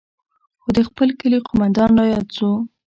خو د خپل کلي قومندان راياد سو.